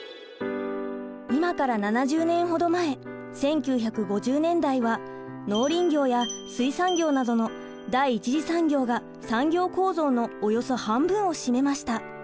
今から７０年ほど前１９５０年代は農林業や水産業などの第１次産業が産業構造のおよそ半分を占めました。